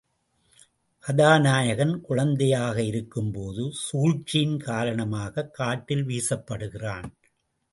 கதாநாயகன் குழந்தையாக இருக்கும்போது சூழ்ச்சியின் காரணமாகக் காட்டில் வீசப்படுகிறான்.